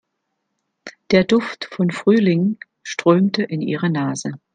Der Duft von Frühling strömte in ihre Nase.